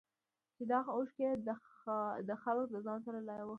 چې دغه اوښکې ئې دا خلک د ځان سره لاهو نۀ کړي